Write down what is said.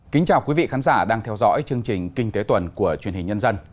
kính chào quý vị khán giả đang theo dõi chương trình kinh tế tuần của truyền hình nhân dân